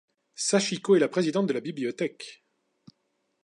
Sachiko est la présidente de la bibliothèque.